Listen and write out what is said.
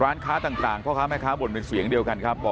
ร้านค้าต่างพ่อค้าแม่ค้าบ่นเป็นเสียงเดียวกันครับบอก